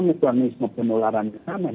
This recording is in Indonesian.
nilai penularannya sama